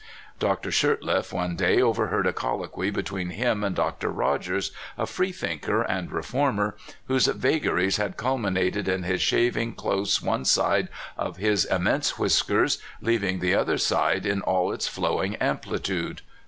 Dr. Shurtleff one day overheard a colloquy between him and Dr. Rogers, a freethinker and reformer, whose vagaries had culminated in his shaving close one side of his immense whiskers, leaving the other side in all its flowing amplitude.